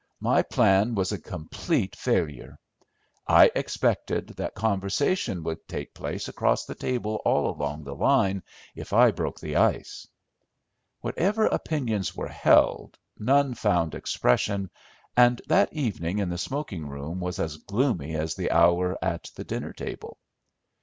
My plan was a complete failure. I expected that conversation would take place across the table all along the line, if I broke the ice." Whatever opinions were held, none found expression, and that evening in the smoking room was as gloomy as the hour at the dinner table.